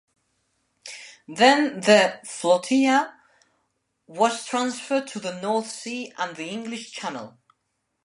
Then the flotilla was transferred to the North Sea and the English Channel.